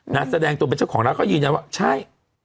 นัทแสดงตัวเป็นเจ้าของร้านก็ยืนแนวะใช่